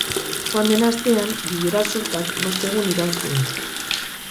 Joan den astean, bilera-sortak bost egun iraun zuen.